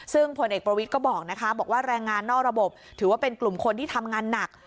ซึ่งผลเอกประวิทย์ก็บอกนะคะบอกว่าแรงงานนอกระบบถือว่าเป็นกลุ่มคนที่ทำงานหนัก